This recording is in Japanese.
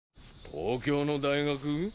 東京の大学？